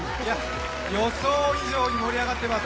予想以上に盛り上がっています。